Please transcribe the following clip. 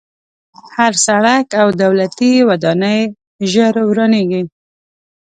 هر سړک او دولتي ودانۍ ژر ورانېږي.